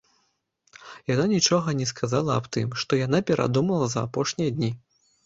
Яна нічога не сказала аб тым, што яна перадумала за апошнія дні.